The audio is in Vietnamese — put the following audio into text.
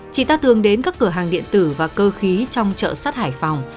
chị ta thường đến các cửa hàng điện tử và cơ khí trong chợ sắt hải phòng